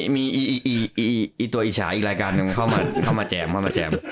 มีตัวอิชาอีกรายการนึงเข้ามาแจม